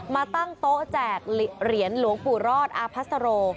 มาตั้งโต๊ะแจกเหรียญหลวงปู่รอดอาพัสโร